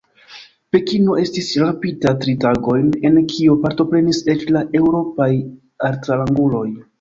Pekino estis rabita tri tagojn, en kio partoprenis eĉ la eŭropaj altranguloj.